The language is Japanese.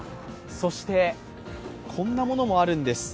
そしてこんなものもあるんです。